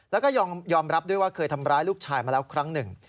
แล้วก็ยอมรับด้วยว่าเคยทำร้ายลูกชายมาแล้วครั้งหนึ่ง